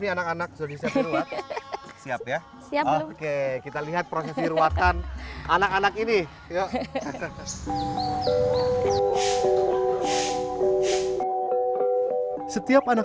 ya anak anak sudah siap ya oke kita lihat prosesi ruwatan anak anak ini setiap anak